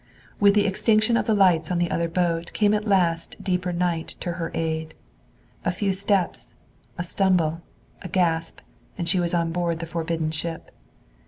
With the extinction of the lights on the other boat came at last deeper night to her aid. A few steps, a stumble, a gasp and she was on board the forbidden ship.